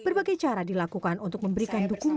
berbagai cara dilakukan untuk memberikan dukungan